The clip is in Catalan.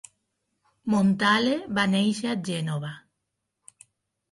Montale va néixer a Gènova.